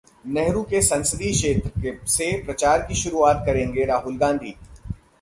नेहरू के संसदीय क्षेत्र से प्रचार की शुरुआत करेंगे राहुल गांधी